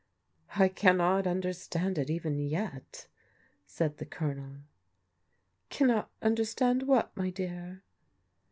" I cannot understand it even yet," said the Colonel. *' Cannot understand what, my dear?